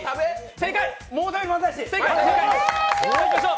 正解！